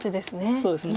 そうですね